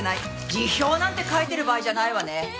辞表なんて書いてる場合じゃないわね！